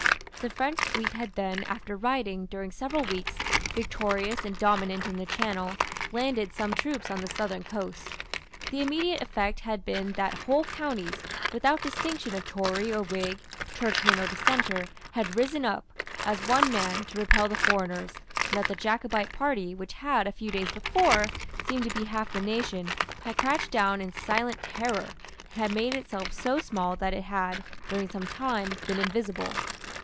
The French fleet had then, after riding, during several weeks, victorious and dominant in the Channel, landed some troops on the southern coast. The immediate effect had been that whole counties, without distinction of Tory or Whig, Churchman or Dissenter, had risen up, as one man, to repel the foreigners, and that the Jacobite party, which had, a few days before, seemed to be half the nation, had crouched down in silent terror, and had made itself so small that it had, during some time, been invisible.